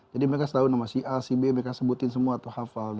jadi mereka tahu nama si a si b mereka sebutin semua atau hafal